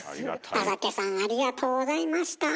田サケさんありがとうございました。